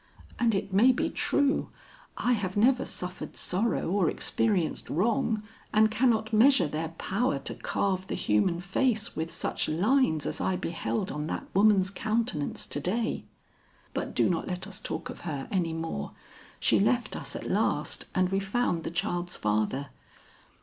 And it may be true. I have never suffered sorrow or experienced wrong, and cannot measure their power to carve the human face with such lines as I beheld on that woman's countenance to day. But do not let us talk of her any more. She left us at last, and we found the child's father.